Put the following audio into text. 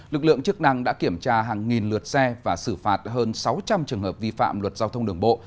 lực lượng chức năng đã kiểm tra hàng nghìn lượt xe và xử phạt hơn sáu trăm linh trường hợp vi phạm luật giao thông đường bộ